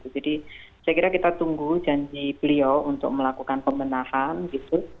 jadi saya kira kita tunggu janji beliau untuk melakukan pembenahan gitu